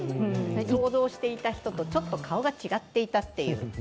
想像していた人とちょっと顔が違っていたという。